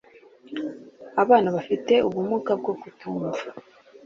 abana bafite ubumuga bwo kutumva